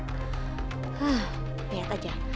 hah liat aja